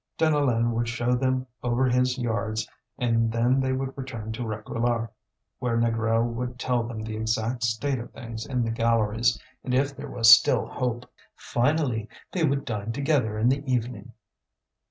Deneulin would show them over his yards and then they would return by Réquillart, where Négrel would tell them the exact state of things in the galleries, and if there was still hope. Finally, they would dine together in the evening.